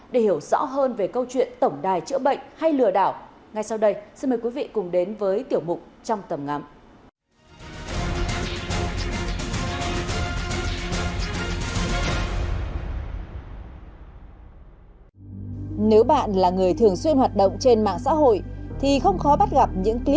để hiểu rõ hơn về câu chuyện tổng đài chữa bệnh hay lừa đảo ngay sau đây xin mời quý vị cùng đến với tiểu mụ trong tầm ngắm